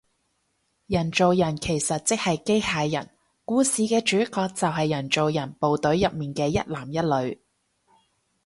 人造人其實即係機械人，故事嘅主角就係人造人部隊入面嘅一男一女